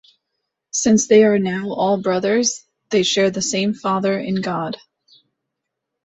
Since they are now all brothers they share the same father in God.